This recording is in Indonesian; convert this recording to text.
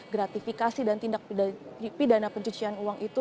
gratifikasi dan tindak pidana pencucian uang itu